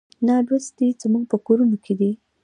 نالوستي زموږ په کورونو کې دي.